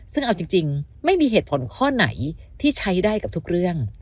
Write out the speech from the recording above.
ซึ่งเอาจริงไม่มีเหตุผลข้อไหนที่ใช้ได้กับทุกเรื่อง